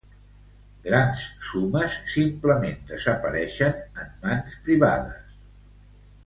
Gran sumes simplement desapareixen, en man privades.